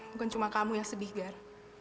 bukan cuma kamu yang sedih biar